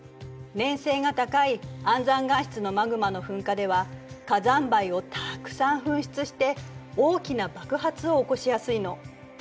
粘性が高い安山岩質のマグマの噴火では火山灰をたくさん噴出して大きな爆発を起こしやすいの。